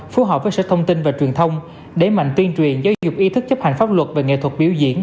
phù hợp với sở thông tin và truyền thông để mạnh tuyên truyền giáo dục ý thức chấp hành pháp luật về nghệ thuật biểu diễn